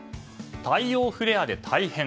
太陽フレアで大変！